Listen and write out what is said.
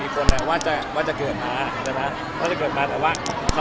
เขาเคยทักมาแล้วผมก็